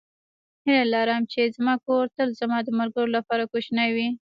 هیله لرم چې زما کور تل زما د ملګرو لپاره کوچنی وي.